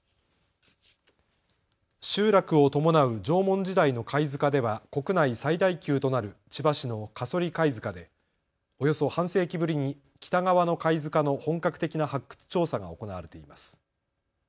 集落を伴う縄文時代の貝塚では国内最大級となる千葉市の加曽利貝塚でおよそ半世紀ぶりに北側の貝塚の本格的な発掘調査が行われています。